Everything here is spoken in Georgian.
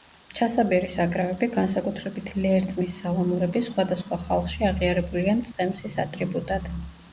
ჩასაბერი საკრავები, განსაკუთრებით ლერწმის სალამურები, სხვადასხვა ხალხში აღიარებულია მწყემსის ატრიბუტად.